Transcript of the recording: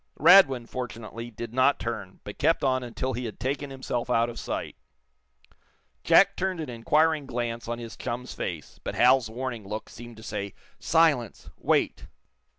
Radwin, fortunately, did not turn, but kept on until he had taken himself out of sight. Jack turned an inquiring glance on his chum's face. But Hal's warning look seemed to say: "Silence! Wait!"